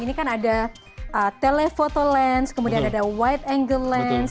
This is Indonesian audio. ini kan ada telephoto lens kemudian ada wide angle lens